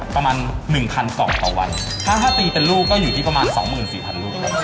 ประมาณหนึ่งพันกล่องต่อวันถ้าถ้าตีเป็นลูกก็อยู่ที่ประมาณสองหมื่นสี่พันลูก